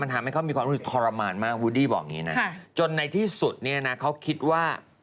โอ้โฮเป็นผู้หญิงจากหุงสั้นค่ะ